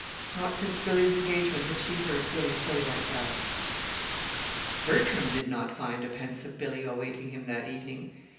Not since Billy's engagement had she heard Billy play like that. Bertram did not find a pensive Billy awaiting him that evening.